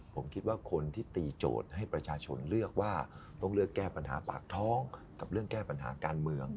ผมคิดว่าคนที่ตีโจทย์ให้ประชาชนเลือกว่าต้องเลือกแก้ปัญหาปากท้องกับเรื่องแก้ปัญหาการเมือง